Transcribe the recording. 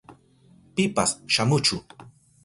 Pipas shamuchu.